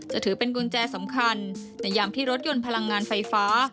ถือเป็นกุญแจสำคัญในยามที่รถยนต์พลังงานไฟฟ้า